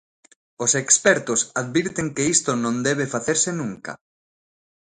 Os expertos advirten que isto non debe facerse nunca.